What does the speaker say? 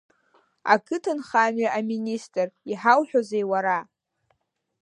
Ақыҭанхамҩа аминистр, иҳауҳәозеи уара?